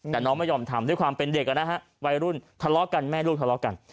แต่น้องไม่ยอมทำด้วยความเป็นเด็กนะฮะวัยรุ่นทะเลาะกันแม่ลูกทะเลาะกัน